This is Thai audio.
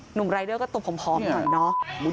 หนุ่มรายเด้อก็ตัวผอมหน่อย